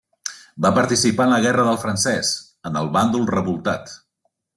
Va participar en la guerra del francès en el bàndol revoltat.